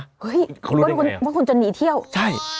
เขารู้ได้อย่างไรหรือเปล่าว่าคุณจะหนีเที่ยวใช่